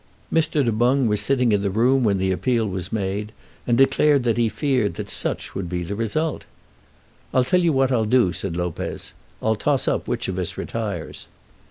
Mr. Du Boung was sitting in the room when the appeal was made, and declared that he feared that such would be the result. "I'll tell you what I'll do," said Lopez; "I'll toss up which of us retires."